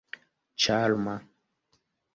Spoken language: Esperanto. ĉarma